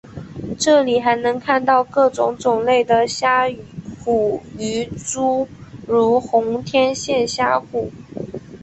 这里还能看到各种种类的虾虎鱼诸如红天线虾虎。